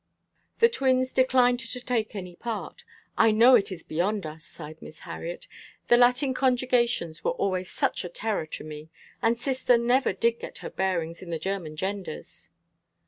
The twins declined to take any part. "I know it is beyond us," sighed Miss Harriet. "The Latin conjugations were always such a terror to me, and sister never did get her bearings in the German genders."